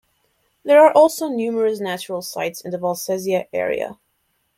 There are also numerous natural sights in the Valsesia area.